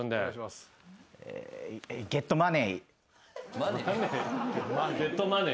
まずゲットマネー。